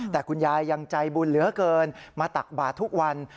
แต่คุณยายยังใจบุญเหลือเกินมาตักบาททุกวัน